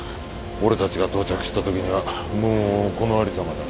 俺たちが到着したときにはもうこのありさまだ。